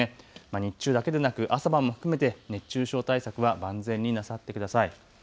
日中だけでなく朝晩も含めて熱中症対策は万全になさってください。